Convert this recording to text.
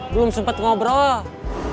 belum sempat ngobrol